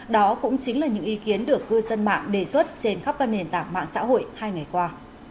đó cũng chính là những ý kiến được cư dân mạng đề xuất trên khắp các nền tảng mạng xã hội hai ngày qua